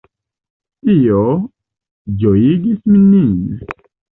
Tio ĝojigis nin.